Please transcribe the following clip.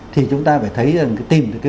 thì chúng ta phải tìm ra